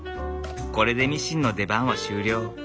これでミシンの出番は終了。